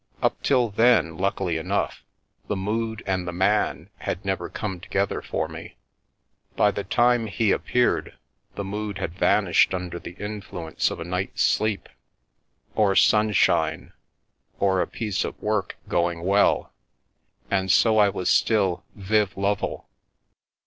Up till then luckily enough, the mood and the man had never come together for me ; by the time he appeared the mood had vanished under the influence of a night's sleep, or sun shine, or 4 piece of work going well, and so I was still Viv Lovel.